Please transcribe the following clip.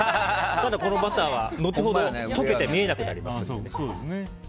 ただ、このバターは後ほど溶けて見えなくなります。